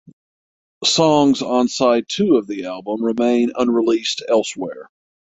Songs on side two of the album remain unreleased elsewhere.